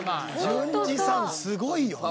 純次さんすごいよね。